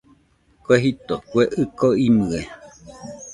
Kue jito, kue ɨko imɨe